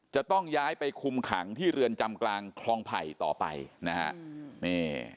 จะต้องย้ายไปคุมขังที่เรือนจำกลางคลองไผ่ต่อไปนะฮะนี่